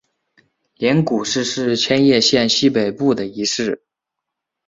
镰谷市是千叶县西北部的一市。